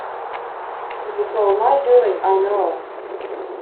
It was all my doing, I know.